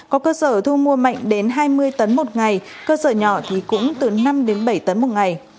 có cơ sở thu mua mạnh đến hai mươi tấn một ngày cơ sở nhỏ thì cũng từ năm đến bảy tấn một ngày